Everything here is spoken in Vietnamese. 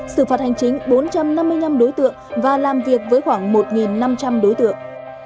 xử phạt hành chính bốn trăm năm mươi năm đối tượng và làm việc với khoảng một năm trăm linh đối tượng